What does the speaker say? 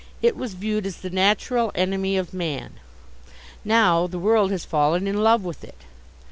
It was viewed as the natural enemy of man. Now the world has fallen in love with it.